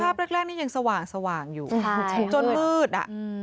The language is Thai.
ภาพแรกนี่ยังสว่างอยู่จนมืดอ่ะ